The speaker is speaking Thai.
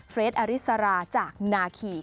เฟรดอริสาราจากนาขี่